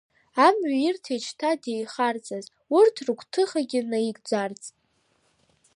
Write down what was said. Амҩа ирҭеит шьҭа деихарцаз, урҭ рыгәҭыхагь наигӡарц…